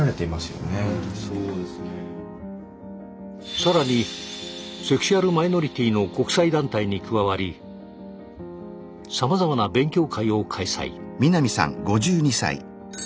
さらにセクシュアルマイノリティの国際団体に加わりさまざまな勉強会を開催。